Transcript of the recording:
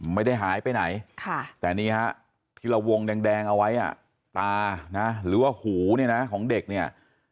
ไม่ได้หายไปไหนแต่นี่ครับทีละวงแดงเอาไว้ตาหรือว่าหูของเด็กเนี่ย